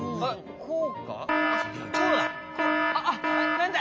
なんだ？